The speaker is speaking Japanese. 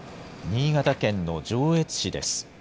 新潟県の上越市です。